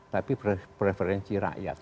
tapi preferensi rakyat